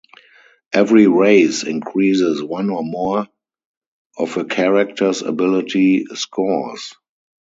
Every race increases one or more of a character’s ability scores.